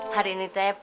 hari ini teh